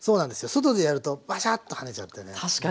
外でやるとバシャッと跳ねちゃってね。